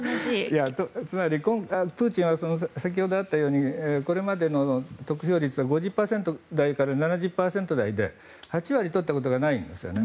つまり、プーチンは先ほどあったようにこれまでの得票率は５０％台から７０％台で８割取ったことがないんですね。